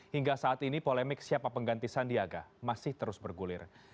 hingga saat ini polemik siapa pengganti sandiaga masih terus bergulir